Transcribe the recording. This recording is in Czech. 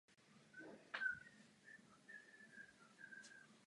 Výrazný vliv v této umělecké výměně hrál cisterciácký řád.